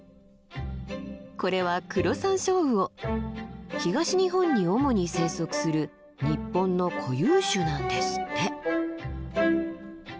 これは東日本に主に生息する日本の固有種なんですって。